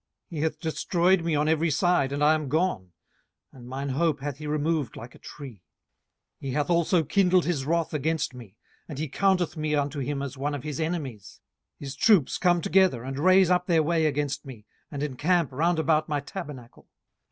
18:019:010 He hath destroyed me on every side, and I am gone: and mine hope hath he removed like a tree. 18:019:011 He hath also kindled his wrath against me, and he counteth me unto him as one of his enemies. 18:019:012 His troops come together, and raise up their way against me, and encamp round about my tabernacle.